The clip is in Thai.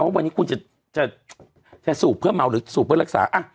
ว่าวันนี้คุณจะสูบเพื่อเมาหรือสูบเพื่อรักษา